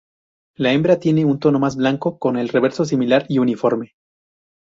La hembra tiene un tono más blanco, con el reverso similar y uniforme.